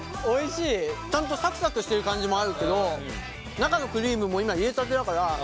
ちゃんとサクサクしてる感じもあるけど中のクリームも今入れたてだから。